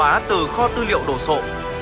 và được số hóa từ kho tư liệu đồ sộ